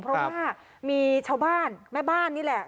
เพราะว่ามีชาวบ้านแม่บ้านนี่แหละ